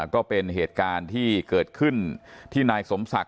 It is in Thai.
ก็เป็นเหตุการณ์ที่เกิดขึ้นที่นายสมศักดิ